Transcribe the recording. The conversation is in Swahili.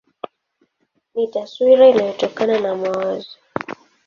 Ni taswira inayotokana na mawazo.